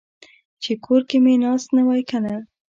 چې کور کې مې ناست نه وای کنه.